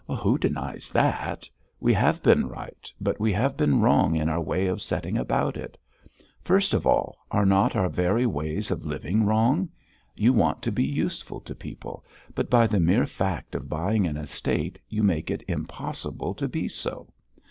"Who denies that? We have been right but we have been wrong in our way of setting about it. First of all, are not our very ways of living wrong? You want to be useful to people, but by the mere fact of buying an estate you make it impossible to be so.